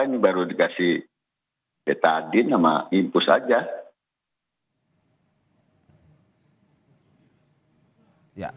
ini baru dikasih peta adin sama inpus saja